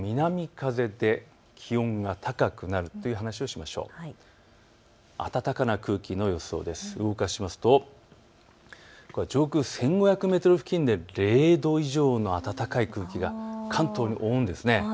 動かしますと上空１５００メートル付近で０度以上の暖かい空気が関東を覆うんです。